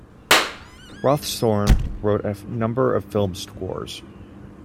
Rawsthorne wrote a number of film scores.